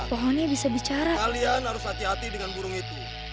kalian harus hati hati dengan burung itu